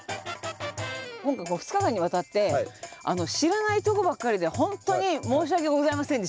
今回この２日間にわたって知らないとこばっかりでほんとに申し訳ございませんでした。